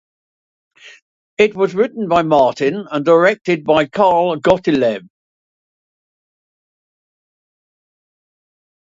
It was written by Martin and directed by Carl Gottlieb.